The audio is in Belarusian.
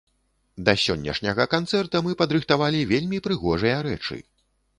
Да сённяшняга канцэрта мы падрыхтавалі вельмі прыгожыя рэчы.